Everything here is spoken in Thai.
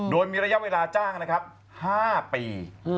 โดยมีระยะเวลาจ้างนะครับ๕ปี